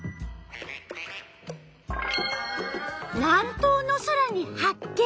南東の空に発見。